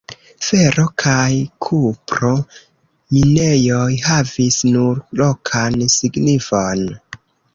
Fero- kaj kupro-minejoj havis nur lokan signifon.